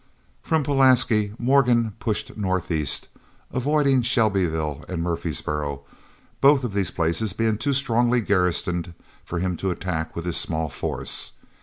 From Pulaski Morgan pushed northeast, avoiding Shelbyville and Murfreesboro, both of these places being too strongly garrisoned for him to attack with his small force.